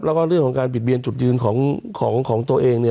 แล้วก็เรื่องของการบิดเบียนจุดยืนของตัวเองเนี่ย